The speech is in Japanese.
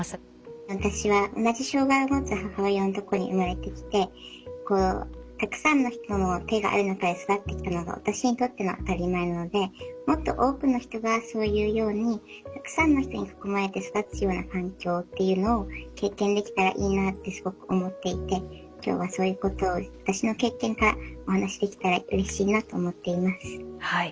私は同じ障害をもつ母親のとこに生まれてきてたくさんの人の手がある中で育ってきたのが私にとっての当たり前なのでもっと多くの人がそういうようにたくさんの人に囲まれて育つような環境っていうのを経験できたらいいなってすごく思っていて今日はそういうことを私の経験からお話しできたらうれしいなと思っています。